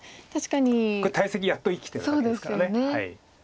これ大石やっと生きてるわけですから。